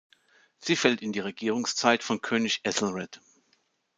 Sie fällt in die Regierungszeit von König Æthelred.